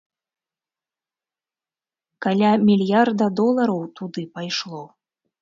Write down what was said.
Каля мільярда долараў туды пайшло.